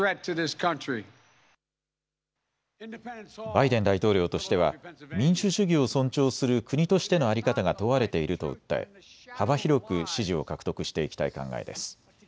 バイデン大統領としては民主主義を尊重する国としての在り方が問われていると訴え幅広く支持を獲得していきたい考えです。